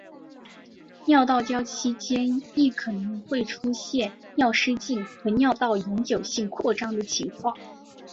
尿道交期间亦可能出现尿失禁和尿道永久性扩张的情况。